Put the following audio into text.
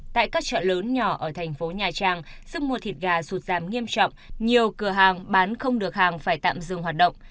tại các chợ lớn nhỏ ở thành phố nha trang sức mua thịt gà sụt giảm nghiêm trọng nhiều cửa hàng bán không được hàng phải tạm dừng hoạt động